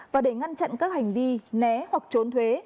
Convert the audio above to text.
và để ngăn chặn các hành vi né hoặc trốn thuế